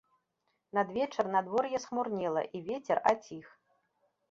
Надвечар надвор'е схмурнела і вецер аціх.